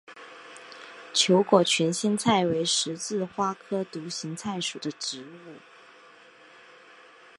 球果群心菜为十字花科独行菜属的植物。